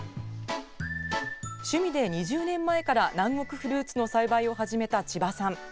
趣味で２０年前から南国フルーツの栽培を始めた千葉さん。